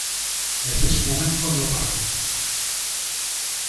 Desde ese momento no ha parado.